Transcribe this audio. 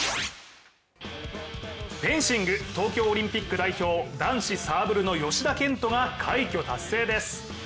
フェンシング、東京オリンピック代表、男子サーブルの吉田健斗が快挙達成です。